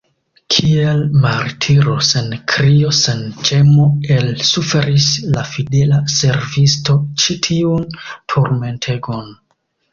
Kiel martiro, sen krio, sen ĝemo elsuferis la fidela servisto ĉi tiun turmentegon.